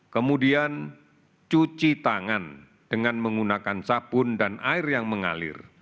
kemudian cuci tangan dengan menggunakan sabun dan air yang mengalir